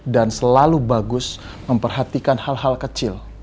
selalu bagus memperhatikan hal hal kecil